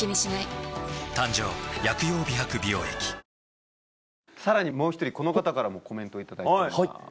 誕生さらにもう１人この方からもコメント頂いております。